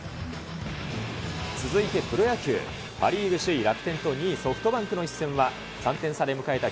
続いてプロ野球、パ・リーグ首位楽天と、２位ソフトバンクの一戦は、３点差で迎えた